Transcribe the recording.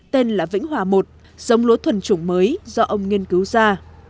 tên là vĩnh hòa i dông lúa thuần chủng mới do ông nghiên cứu ra